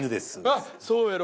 「あっそうやろ？」。